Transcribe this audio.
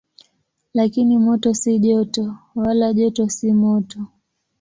Lakini moto si joto, wala joto si moto.